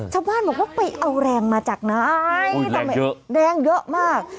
ชาวบ้านบอกว่าไปเอาแรงมาจากไหนทำไมแรงเยอะมาก